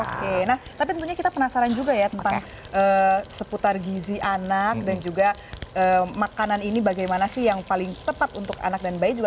oke nah tapi tentunya kita penasaran juga ya tentang seputar gizi anak dan juga makanan ini bagaimana sih yang paling tepat untuk anak dan bayi juga